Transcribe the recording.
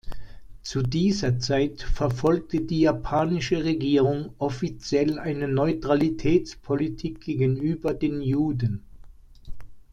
Zu dieser Zeit verfolgte die japanische Regierung offiziell eine Neutralitätspolitik gegenüber den Juden.